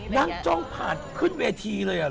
นางจ้องผ่านขึ้นเวทีเลยอ่ะหรอ